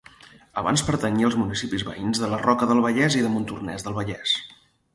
Abans pertanyia als municipis veïns de La Roca del Vallès i de Montornès del Vallès.